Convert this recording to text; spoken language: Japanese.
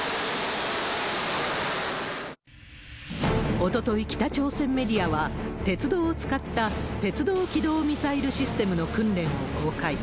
おととい、北朝鮮メディアは鉄道を使った鉄道機動ミサイルシステムの訓練を公開。